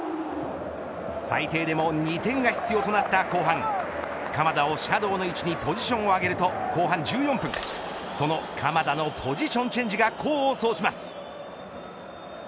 最低でも２点が必要となった後半鎌田をシャドーの位置にポジションを上げると後半１４分その鎌田のポジションチェンジが功を奏します。